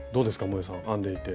もえさん編んでいて。